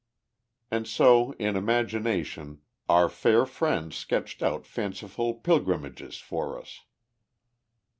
And so in imagination our fair friend sketched out fanciful pilgrimages for us.